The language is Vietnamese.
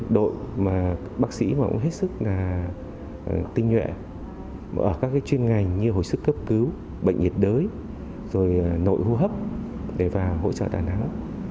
đội mà bác sĩ mà cũng hết sức là tinh nhuệ ở các chuyên ngành như hồi sức cấp cứu bệnh nhiệt đới rồi nội hô hấp để vào hỗ trợ đà nẵng